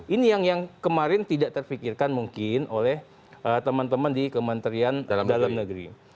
ini yang kemarin tidak terfikirkan mungkin oleh teman teman di kementerian dalam negeri